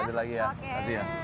lanjut lagi ya